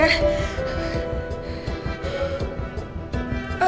aduh ya ampun